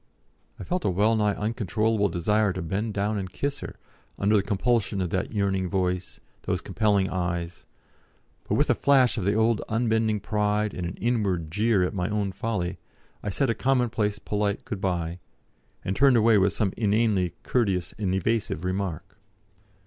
I felt a well nigh uncontrollable desire to bend down and kiss her, under the compulsion of that yearning voice, those compelling eyes, but with a flash of the old unbending pride and an inward jeer at my own folly, I said a commonplace polite good bye, and turned away with some inanely courteous and evasive remark.